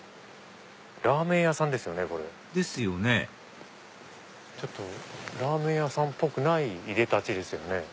ラーメン屋さんですよね。ですよねラーメン屋さんっぽくないいでたちですよね。